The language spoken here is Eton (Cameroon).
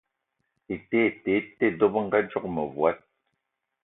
Ete ete te, dò bëngadzoge mëvòd